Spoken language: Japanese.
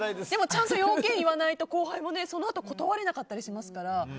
ちゃんと用件を言わないと後輩も断れなかったりしますから。